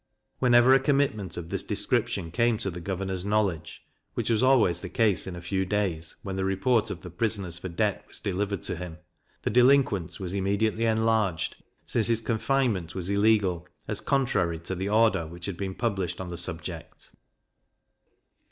Whenever a commitment of this description came to the governor's knowledge (which was always the case in a few days, when the report of the prisoners for debt was delivered to him), the delinquent was immediately enlarged, since his confinement was illegal, as contrary to the order which had been published on the subject.